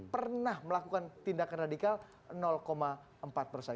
pernah melakukan tindakan radikal empat persen